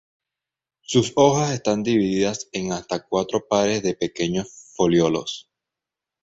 Sus hojas están divididas en hasta cuatro pares de pequeños foliolos.